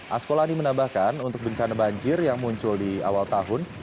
asko lani menambahkan untuk bencana banjir yang muncul di awal tahun